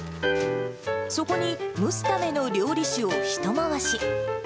そこに、蒸すための料理酒を一回し。